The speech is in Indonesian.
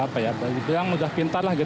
boleh dibilang sudah pintar lah